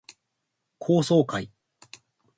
高層階